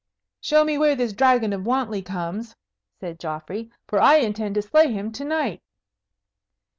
"Show me where this Dragon of Wantley comes," said Geoffrey, "for I intend to slay him to night."